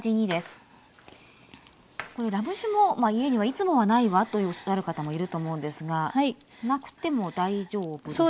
ラム酒も家にはいつもはないわとおっしゃる方もいると思うんですがなくても大丈夫ですか？